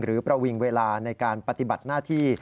ประวิงเวลาในการปฏิบัติหน้าที่